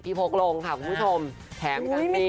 พี่โพกลงค่ะคุณผู้ชมแถมกันสิ